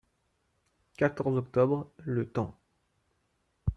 quatorze octobre., Le Temps.